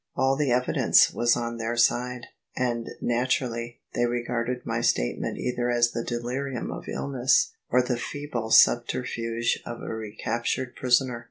All the evidence was on their side: and naturally they regarded my statement either as the delirium of illness, or the feeble subterfuge of a recaptured prisoner.